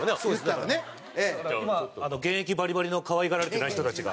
だから今現役バリバリの可愛がられてない人たちが。